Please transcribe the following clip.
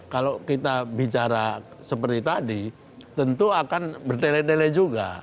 kalau kita bicara seperti tadi tentu akan bertele tele juga